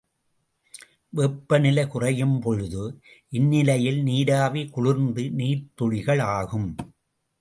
வெப்பநிலை குறையும்பொழுது இந்நிலையில் நீராவி குளிர்ந்து நீர்த்துளிகள் ஆகும்.